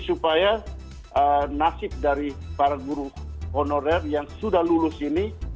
supaya nasib dari para guru honorer yang sudah lulus ini